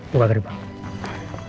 buka gerai pak